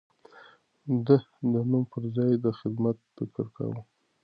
ده د نوم پر ځای د خدمت فکر کاوه.